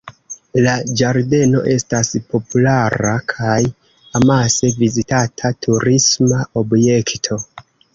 La ĝardeno estas populara kaj amase vizitata turisma objekto.